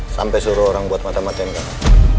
sampai suruh orang buat mata matain kan